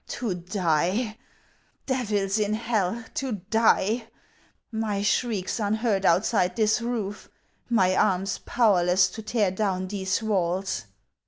" To die ! Devils in hell, to die ! My shrieks unheard outside this roof, my arms powerless to tear down these walls